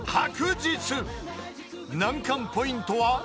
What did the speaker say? ［難関ポイントは］